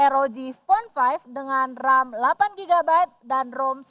rog phone lima dengan ram delapan gb dan rom satu